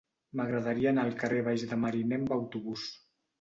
M'agradaria anar al carrer Baix de Mariner amb autobús.